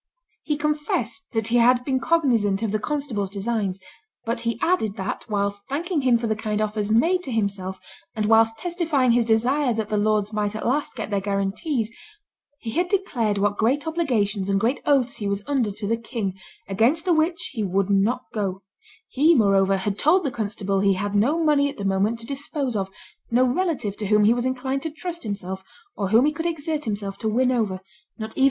"He confessed that he had been cognizant of the constable's designs; but he added that, whilst thanking him for the kind offers made to himself, and whilst testifying his desire that the lords might at last get their guarantees, he had declared what great obligations and great oaths he was under to the king, against the which he would not go; he, moreover, had told the constable he had no money at the moment to dispose of, no relative to whom he was inclined to trust himself or whom he could exert himself to win over, not even M.